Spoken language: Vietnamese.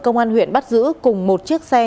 công an huyện bắt giữ cùng một chiếc xe